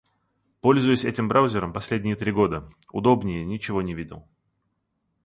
Пользуюсь этим браузером последние три года, удобнее ничего не видел.